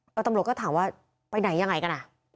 แล้วตำรวจก็ถามว่าไปไหนยังไงกันอ่ะ